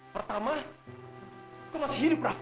pertama aku masih hidup raffi